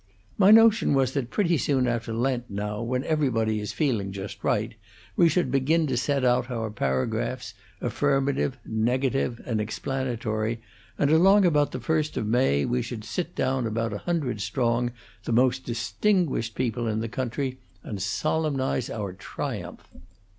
My notion was that pretty soon after Lent, now, when everybody is feeling just right, we should begin to send out our paragraphs, affirmative, negative, and explanatory, and along about the first of May we should sit down about a hundred strong, the most distinguished people in the country, and solemnize our triumph.